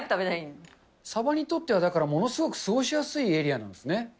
サバにとっては、だからものすごく過ごしやすいエリアなんですね。